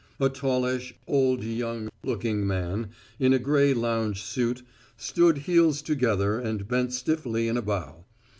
A tallish, old young looking man, in a gray lounge suit, stood heels together and bent stiffly in a bow.